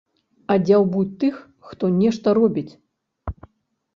А дзяўбуць тых, хто нешта робіць.